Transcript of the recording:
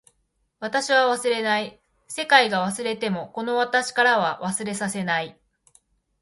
私は忘れない。世界が忘れてもこの私からは忘れさせない。